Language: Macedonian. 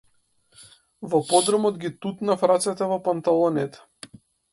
Во подрумот ги тутнав рацете во панталоните.